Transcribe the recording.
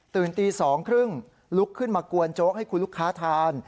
ตี๒๓๐ลุกขึ้นมากวนโจ๊กให้คุณลูกค้าทาน